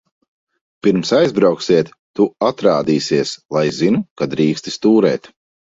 Pirms aizbrauksiet, tu atrādīsies, lai zinu, ka drīksti stūrēt.